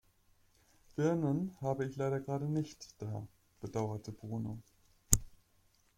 Birnen habe ich leider gerade nicht da, bedauerte Bruno.